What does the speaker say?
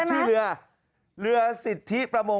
ชื่อเรือเรือสิทธิประมง